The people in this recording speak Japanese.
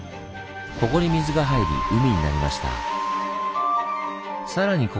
ここに水が入り海になりました。